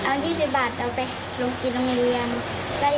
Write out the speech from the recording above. มันก็มีเอา๒๐บาทเอาไปโรงกิจโรงเรียน